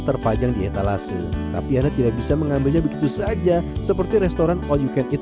terpajang di etalase tapi anda tidak bisa mengambilnya begitu saja seperti restoran all you can eat